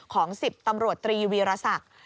ของ๑๐ตำรวจตรีวีรศักดิ์